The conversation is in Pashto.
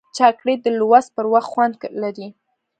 چاکلېټ د لوست پر وخت خوند لري.